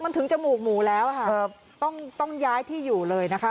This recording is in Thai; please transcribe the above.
มันถึงจมูกหมูแล้วค่ะครับต้องต้องย้ายที่อยู่เลยนะคะ